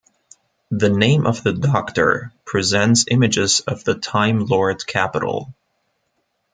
"The Name of the Doctor" presents images of the Time Lord capital.